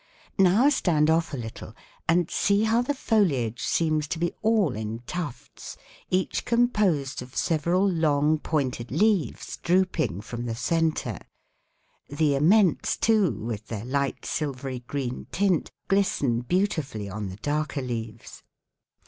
Now stand off a little and see how the foliage seems to be all in tufts, each composed of several long, pointed leaves drooping from the centre. The aments, too, with their light silvery green tint, glisten beautifully on the darker leaves."